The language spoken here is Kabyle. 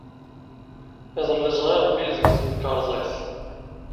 Iḍelli, ẓriɣ Bill deg temkarḍit.